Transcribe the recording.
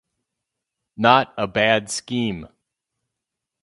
Not a bad scheme.